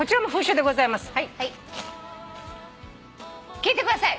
「聞いてください